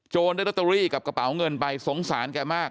ได้ลอตเตอรี่กับกระเป๋าเงินไปสงสารแกมาก